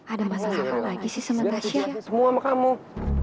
ada masalah apa lagi sih sementara syah